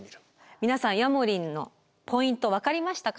皆さんヤモリンのポイント分かりましたか？